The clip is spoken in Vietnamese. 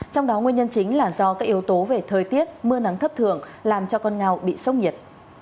trong đó nguyên nhân chính là do các yếu tố về thời tiết mưa nắng thất thường làm cho con ngao bị sốc nhiệt